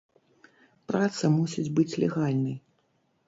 Праца мусіць быць легальнай.